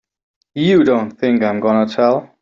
You don't think I'm gonna tell!